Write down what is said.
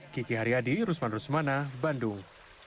kiki haryadi rusman rusmana bandung